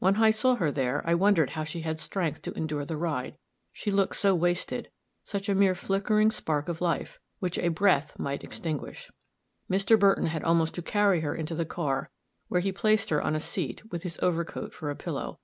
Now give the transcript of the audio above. When I saw her there, I wondered how she had strength to endure the ride, she looked so wasted such a mere flickering spark of life, which a breath might extinguish. Mr. Burton had almost to carry her into the car, where he placed her on a seat, with his overcoat for a pillow.